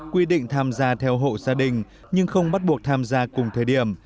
quy định tham gia theo hộ gia đình nhưng không bắt buộc tham gia cùng thời điểm